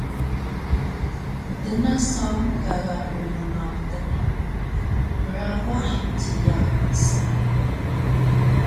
Mtna saw gaga rmngaw tnan “Krawah jiyax” msa